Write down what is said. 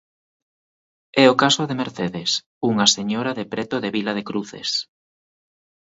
É o caso de Mercedes, unha señora de preto de Vila de Cruces.